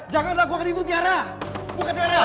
jangan lakukan itu tiara buka tiara